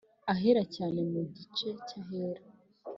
Ahera Cyane Mu gice cy Ahera